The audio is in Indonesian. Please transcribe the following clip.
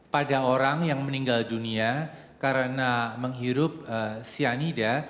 pada orang yang meninggal dunia karena menghirup cyanida